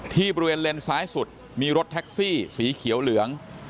บริเวณเลนซ้ายสุดมีรถแท็กซี่สีเขียวเหลือง